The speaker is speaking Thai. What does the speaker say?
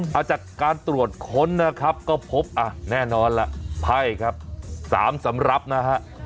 ถ้าจัดการตรวจถนกนะครับก็พบแน่นอนล่ะ๑๐๐๐บาทครับ๓สำรับนะครับ